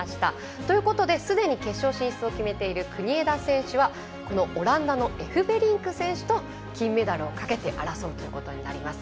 ということですでに決勝進出を決めている国枝選手はオランダのエフベリンク選手と金メダルをかけて争うということになります。